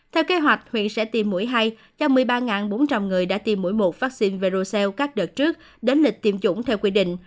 theo kế hoạch huyện sẽ tiêm mũi hai cho một mươi ba bốn trăm linh người đã tiêm mũi một vaccine về roseell các đợt trước đến lịch tiêm chủng theo quy định